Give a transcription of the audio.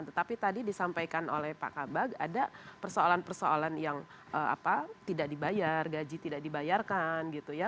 tetapi tadi disampaikan oleh pak kabak ada persoalan persoalan yang tidak dibayar gaji tidak dibayarkan gitu ya